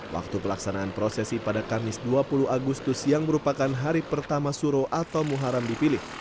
waktu pelaksanaan prosesi pada kamis dua puluh agustus yang merupakan hari pertama suruh atau muharam dipilih